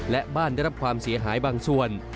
และบ้านได้รับความเสียหายบางส่วน